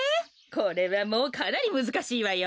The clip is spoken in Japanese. これはもうかなりむずかしいわよ。